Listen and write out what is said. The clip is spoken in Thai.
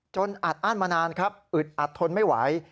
อัดอ้านมานานครับอึดอัดทนไม่ไหว